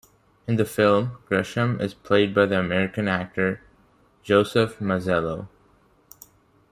In the film, Gresham is played by the American actor Joseph Mazzello.